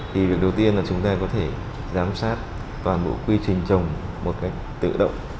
thì việc đầu tiên là chúng ta có thể giám sát toàn bộ quy trình trồng một cách tự động